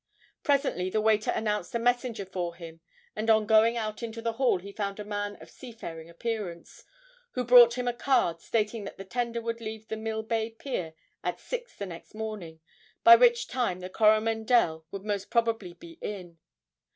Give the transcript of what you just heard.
Presently the waiter announced a messenger for him, and on going out into the hall he found a man of seafaring appearance, who brought him a card stating that the tender would leave the Millbay Pier at six the next morning, by which time the 'Coromandel' would most probably be in.